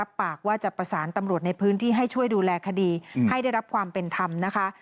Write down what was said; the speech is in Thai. ปากว่าจะประสานตำรวจในพื้นที่ให้ช่วยดูแลคดีให้ได้รับความเป็นธรรมนะคะ